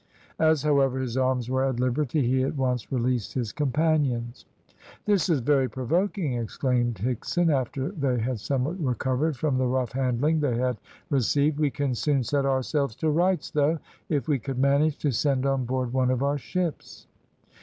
As, however, his arms were at liberty, he at once released his companions. "This is very provoking," exclaimed Higson, after they had somewhat recovered from the rough handling they had received. "We can soon set ourselves to rights, though, if we could manage to send on board one of our ships."